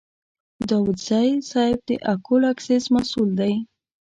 داوودزی صیب د اکول اکسیس مسوول دی.